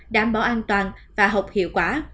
đảm bảo an toàn và học hiệu quả